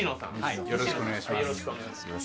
よろしくお願いします。